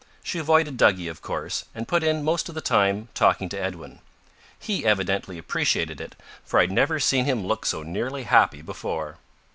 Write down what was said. She avoided Duggie, of course, and put in most of the time talking to Edwin. He evidently appreciated it, for I had never seen him look so nearly happy before.